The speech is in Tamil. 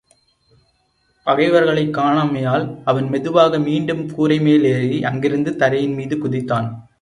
பகைவர்களைக் காணாமையால் அவன் மெதுவாக மீண்டும் கூரைமேலேறி அங்கிருந்து தரையின் மீது குதித்தான்.